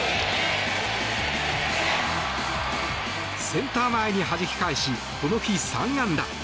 センター前にはじき返しこの日３安打。